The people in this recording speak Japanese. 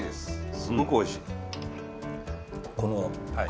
すごくおいしい。